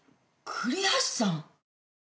栗橋さん？